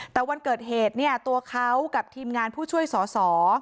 แต่วันเกิดเหตุเนี่ยตัวเขากับทีมงานผู้ช่วยสอสอ